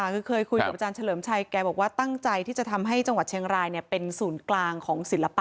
คือเคยคุยกับอาจารย์เฉลิมชัยแกบอกว่าตั้งใจที่จะทำให้จังหวัดเชียงรายเป็นศูนย์กลางของศิลปะ